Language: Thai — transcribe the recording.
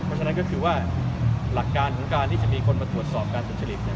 เพราะฉะนั้นก็คือว่าหลักการของการที่จะมีคนมาตรวจสอบการสุจริต